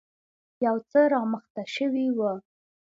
يو څه رامخته شوی و.